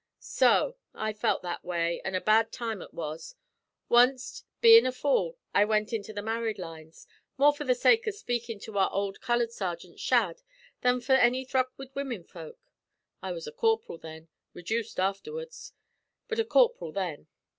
"So I felt that way, an' a bad time ut was. Wanst, bein' a fool, I went into the married lines, more for the sake av speakin' to our ould color sergint Shadd than for any thruck wid wimmen folk. I was a corp'ril then rejuced aftherwards; but a corp'ril then.